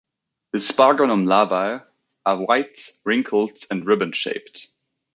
The sparganum larvae are white, wrinkled, and ribbon-shaped.